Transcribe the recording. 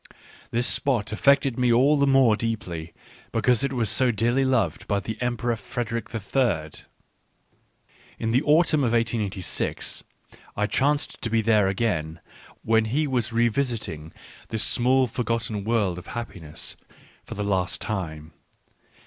This spot affected me all the more deeply because it was so dearly loved by the Emperor Frederick III. In the autumn of 1886 I chanced to be there again when he was revisiting this small for gotten world of happiness for the last time.